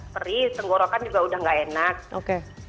perih tenggorokan juga udah gak enak